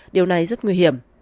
điều này rất nguy hiểm